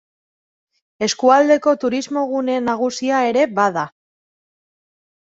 Eskualdeko turismo-gune nagusia ere bada.